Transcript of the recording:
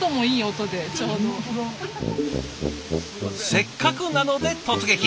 せっかくなので突撃。